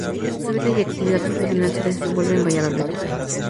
Su vida y actividad profesional se desenvuelve en Valladolid.